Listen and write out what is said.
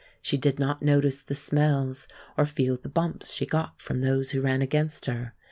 She did not notice the smells, or feel the bumps she got from those who ran against her.